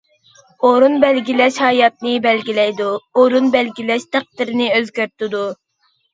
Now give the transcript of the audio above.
ئورۇن بەلگىلەش ھاياتنى بەلگىلەيدۇ، ئورۇن بەلگىلەش تەقدىرنى ئۆزگەرتىدۇ.